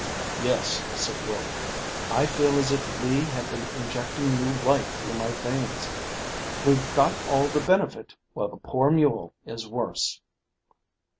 "Yes," said Wilton; "I feel as if Lee had been injecting new life through my veins. We've got all the benefit, while the poor mule is worse."